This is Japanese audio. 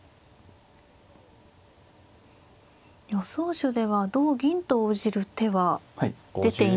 予想手では同銀と応じる手は出ていないんですね。